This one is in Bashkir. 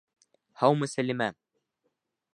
Һаумы, Сәлимә!